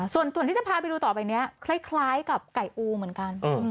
ส่วนที่จะพาไปดูต่อไปนี้คล้ายกับไก่อูเหมือนกัน